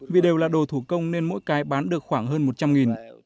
vì đều là đồ thủ công nên mỗi cái bán được khoảng hơn một trăm linh